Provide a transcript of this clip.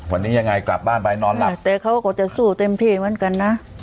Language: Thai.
วันนี้ยังไงกลับบ้านไปนอนหลับแต่เขาก็จะสู้เต็มที่เหมือนกันนะ